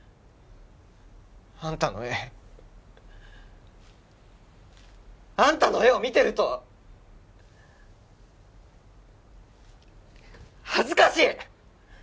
あんたの絵あんたの絵を見てると恥ずかしい！